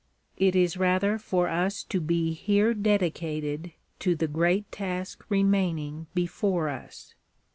It is rather for us to be here dedicated to the great task remaining before us.